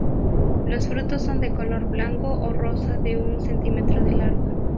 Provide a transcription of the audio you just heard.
Los frutos son de color blanco o rosa de un cm de largo.